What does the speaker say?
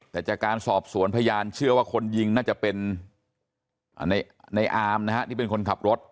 แต่จากการสอบสวนพยานเชื่อว่าคนยิงน่าจะเป็นในอามนะฮะที่เป็นคนขับรถ